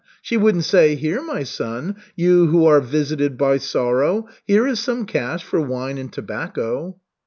She wouldn't say: 'Here, my son, you who are visited by sorrow, here is some cash for wine and tobacco.'"